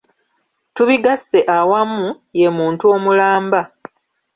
Tubigasse awamu, ye muntu omulamba.